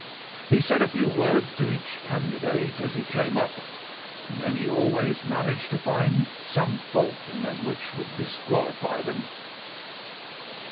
He said a few words to each candidate as he came up, and then he always managed to find some fault in them which would disqualify them.